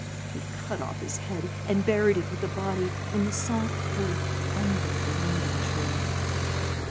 He cut off his head and buried it with the body in the soft earth under the linden tree.